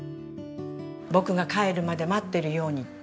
僕が帰るまで待ってるようにって言ったんですよ。